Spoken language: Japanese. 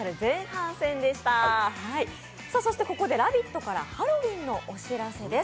ここで「ラヴィット！」からハロウィンのお知らせです。